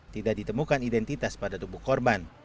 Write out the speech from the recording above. tidak ditemukan identitas pada tubuh korban